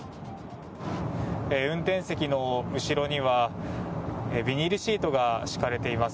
運転席の後ろにはビニールシートが敷かれています。